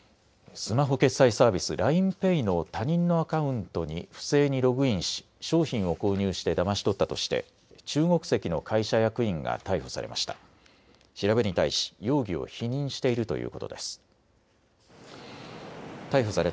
スマホ決済サービス、ＬＩＮＥＰａｙの他人のアカウントに不正にログインし商品を購入してだまし取ったとして中国籍の会社役員が逮捕されました。